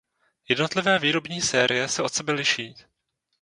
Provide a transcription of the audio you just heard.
Jednotlivé výrobní série se od sebe liší.